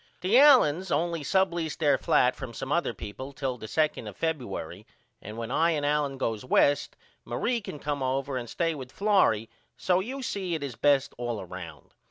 The Allens only subleased their flat from some other people till the 2 of Febuery and when I and Allen goes West Marie can come over and stay with Florrie so you see it is best all round.